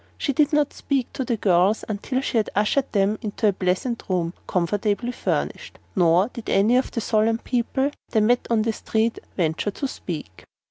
She did not speak to the girls until she had ushered them into a pleasant room, comfortably furnished, nor did any of the solemn people they met on the street venture to speak.